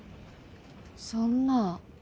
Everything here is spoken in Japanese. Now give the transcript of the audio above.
そんな。